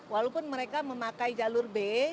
walaupun mereka memakai jalur